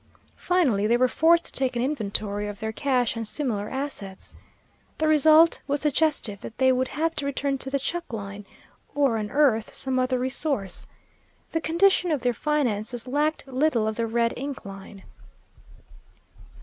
Finally they were forced to take an inventory of their cash and similar assets. The result was suggestive that they would have to return to the chuck line, or unearth some other resource. The condition of their finances lacked little of the red ink line.